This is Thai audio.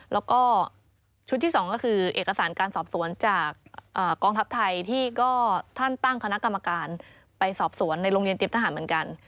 แล้วก็ชุดที่๒ก็คือเอกสารการสอบสวนจากกองทัพไทยที่ก็ท่านตั้งคณะกรรมการไปสอบสวนในโรงเรียนเตรียมทหารเหมือนกัน